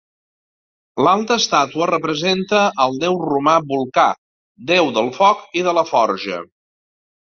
L'alta estàtua representa al deu romà Volcà, deu del foc i de la forja.